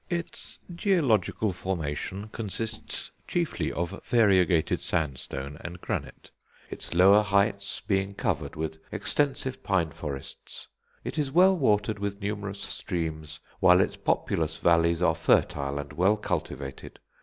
Its geological formation consists chiefly of variegated sandstone and granite; its lower heights being covered with extensive pine forests. It is well watered with numerous streams, while its populous valleys are fertile and well cultivated.